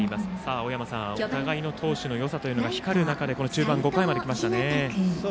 青山さん、お互いの投手のよさが光る中で中盤、５回まで来ましたね。